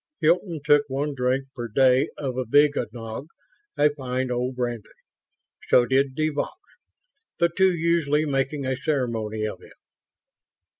Hilton took one drink per day of avignognac, a fine old brandy. So did de Vaux the two usually making a ceremony of it.